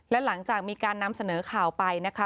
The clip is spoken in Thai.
และหลังจากมีการนำเสนอข่าวไปนะคะ